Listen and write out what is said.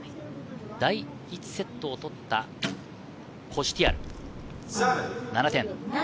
第１セットを取ったコシュティアル、７点。